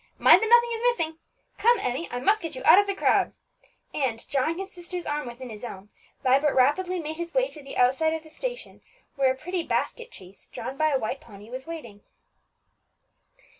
Mind that nothing is missing. Come, Emmie, I must get you out of the crowd," and, drawing his sister's arm within his own, Vibert rapidly made his way to the outside of the station, where a pretty basket chaise, drawn by a white pony, was waiting.